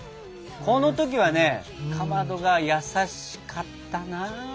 この時はねかまどが優しかったなあ！